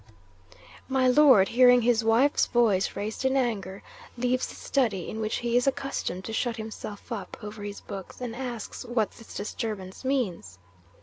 'My Lord, hearing his wife's voice raised in anger, leaves the study in which he is accustomed to shut himself up over his books, and asks what this disturbance means.